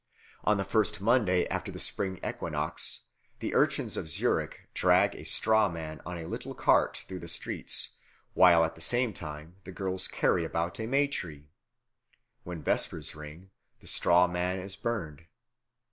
On the first Monday after the spring equinox the urchins of Zurich drag a straw man on a little cart through the streets, while at the same time the girls carry about a May tree. When vespers ring, the straw man is burned.